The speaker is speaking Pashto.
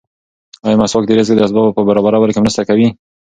ایا مسواک د رزق د اسبابو په برابرولو کې مرسته کوي؟